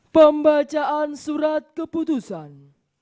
pembacaan surat keputusan